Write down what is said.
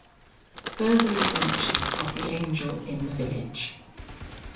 FURTHER ADVENTURES OF THE ANGEL IN THE VILLAGE.